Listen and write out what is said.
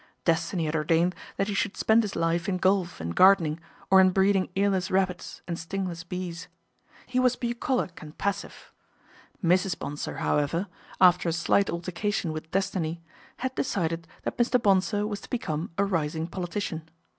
Destiny had ordained that he should spend his life in golf and gardening, or in breeding earless rabbits and stingless bees. He was bucolic and passive. Mrs. Bonsor, however, after a slight altercation with Destiny, had decided that Mr. Bonsor was to be come a rising politician.